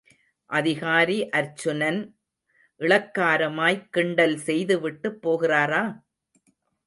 அதிகாரி அர்ச்சுனன், இளக்காரமாய் கிண்டல் செய்துவிட்டுப் போகிறாரா?